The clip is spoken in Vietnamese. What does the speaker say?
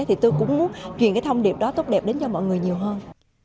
thì tôi cũng muốn truyền cái thông điệp đó tốt đẹp đến cho mọi người nhiều hơn